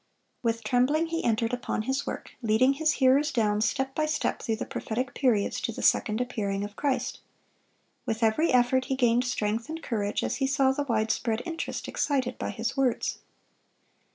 With trembling he entered upon his work, leading his hearers down, step by step, through the prophetic periods to the second appearing of Christ. With every effort he gained strength and courage as he saw the wide spread interest excited by his words.